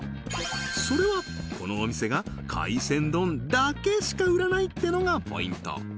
それはこのお店が海鮮丼だけしか売らないってのがポイント